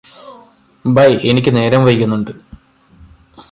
by എനിക്ക് നേരം വൈകുന്നുണ്ട്